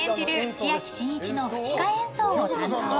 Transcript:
千秋真一の吹き替え演奏を担当。